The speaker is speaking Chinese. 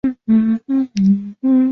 伪齐皇帝刘豫之子。